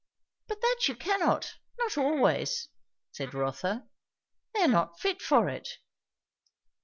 "But that you cannot! Not always," said Rotha. "They are not fit for it."